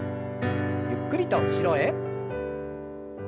ゆっくりと後ろへ。